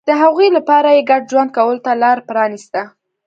د هغوی لپاره یې ګډ ژوند کولو ته لار پرانېسته.